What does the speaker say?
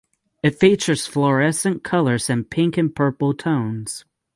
It features "fluorescent colors" and "pink and purple tones".